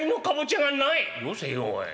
「よせよおい。